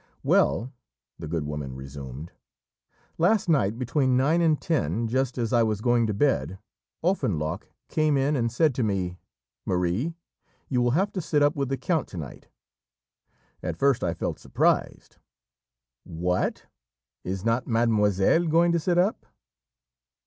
"Well," the good woman resumed, "last night, between nine and ten, just as I was going to bed, Offenloch came in and said to me, 'Marie, you will have to sit up with the count to night.' At first I felt surprised. 'What! is not mademoiselle going to sit up?'